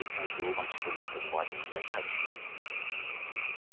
待ちという点もありますね。